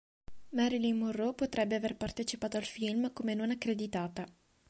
Marilyn Monroe potrebbe aver partecipato al film come non accreditata.